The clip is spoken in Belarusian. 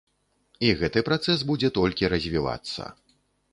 І гэты працэс будзе толькі развівацца.